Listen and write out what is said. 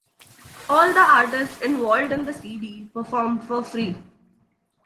All the artists involved in the CD performed for free.